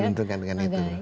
diuntungkan dengan itu